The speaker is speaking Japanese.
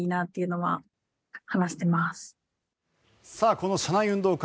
この社内運動会